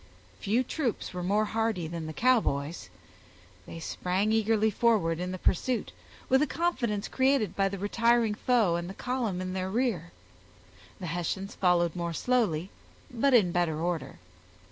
Few troops were more hardy than the Cowboys; they sprang eagerly forward in the pursuit, with a confidence created by the retiring foe and the column in their rear; the Hessians followed more slowly, but in better order.